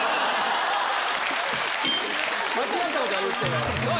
間違ったことは言ってない。